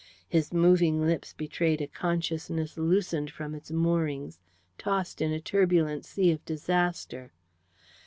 His moving lips betrayed a consciousness loosened from its moorings, tossed in a turbulent sea of disaster.